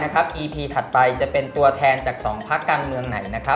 ทำว่าอีพีถัดไปจะเป็นตัวแทนจาก๒ภาคกลางเมืองไหน